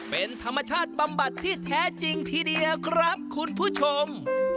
เป็นธรรมชาติบำบัดที่แท้จริงทีเดียวครับคุณผู้ชม